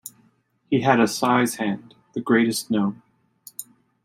He had a size hand, the greatest known.